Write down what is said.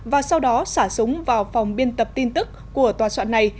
và sau đó xả súng vào phòng biên tập tin tức của tòa soạn này